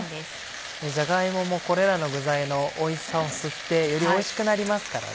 じゃが芋もこれらの具材のおいしさを吸ってよりおいしくなりますからね。